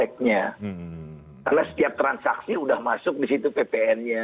karena setiap transaksi sudah masuk di situ ppn nya